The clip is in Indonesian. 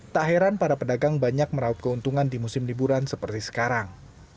tak heran para pedagang banyak meraup keuntungan di musim liburan seperti sekarang